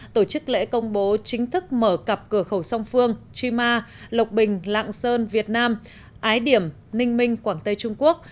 tổ chức lễ công bố chính thức mở cặp cửa khẩu song phương chi ma lộc bình lạng sơn việt nam ái điểm ninh minh quảng tây trung quốc